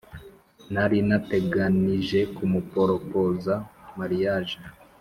nari nateganije kumuporopoza marriage